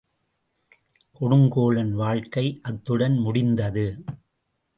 கொடுங்கோலன் வாழ்க்கை அத்துடன் முடிந்தது.